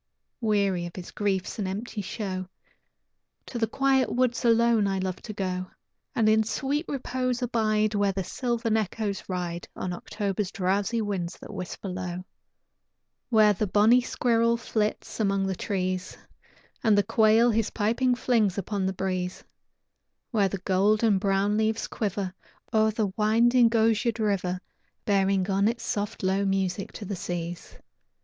Weary of his griefs and empty show, To the quiet woods alone I love to go, And in sweet repose abide Where the sylvan echoes ride On October's drowsy winds that whisper low. Where the bonnie squirrel flits among the trees, And the quail his piping flings upon the breeze, Where the gold and brown leaves quiver O'er the winding, osiered river, Bearing on its soft, low music to the seas.